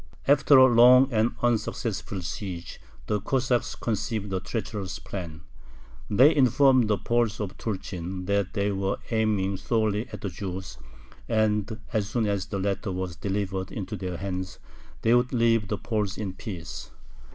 After a long and unsuccessful siege the Cossacks conceived a treacherous plan. They informed the Poles of Tulchyn that they were aiming solely at the Jews, and, as soon as the latter were delivered into their hands, they would leave the Poles in peace.